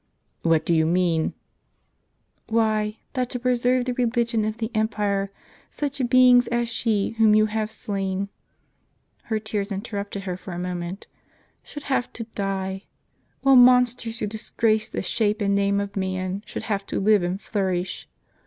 " What do you mean ?" "Why, that to preserve the religion of the empire such beings as she whom you have slain " (her tears interrupted her for a moment) " should have to die; while monsters who disgrace the shape and name of man should have to live and flourish.